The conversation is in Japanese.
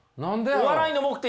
お笑いの目的。